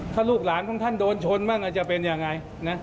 ถ้าลูกหลานของท่านโดนชนมั่งอาจจะเป็นอย่างไร